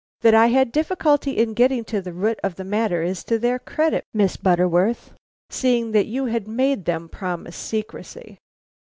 That I had difficulty in getting to the root of the matter is to their credit, Miss Butterworth, seeing that you had made them promise secrecy."